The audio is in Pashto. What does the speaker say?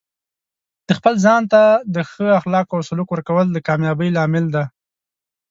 د خپل ځان ته د ښه اخلاقو او سلوک ورکول د کامیابۍ لامل دی.